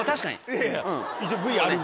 いやいや。